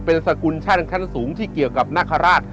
เป็นที่เกี่ยวกับนาคาราช